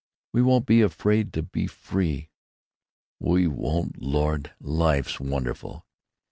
We won't be afraid to be free." "We won't! Lord! life's wonderful!"